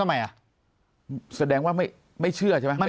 ปากกับภาคภูมิ